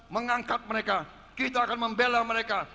mengangkat mereka kita akan membela mereka